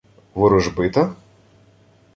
— Ворожбита?